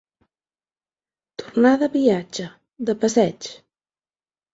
Tornar de viatge, de passeig.